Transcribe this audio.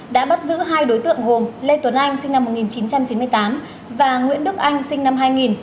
đã bắt giữ hai đối tượng gồm lê tuấn anh sinh năm một nghìn chín trăm chín mươi tám và nguyễn đức anh sinh năm hai nghìn